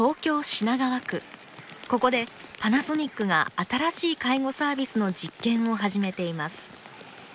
ここでパナソニックが新しい介護サービスの実験を始めています。